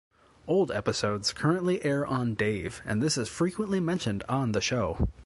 Old episodes currently air on Dave, and this is frequently mentioned on the show.